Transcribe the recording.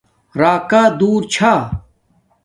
راکا دور چھا